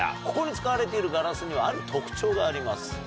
ここに使われているガラスにはある特徴があります。